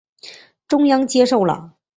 中央接受了。